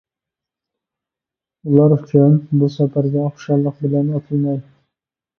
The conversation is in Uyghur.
ئۇلار ئۈچۈن بۇ سەپەرگە خۇشاللىق بىلەن ئاتلىناي.